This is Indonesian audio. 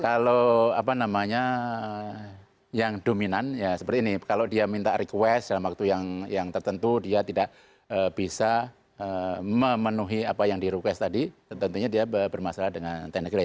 kalau apa namanya yang dominan ya seperti ini kalau dia minta request dalam waktu yang tertentu dia tidak bisa memenuhi apa yang di request tadi tentunya dia bermasalah dengan teknik lain